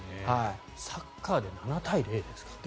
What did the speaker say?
サッカーで７対０ですからね。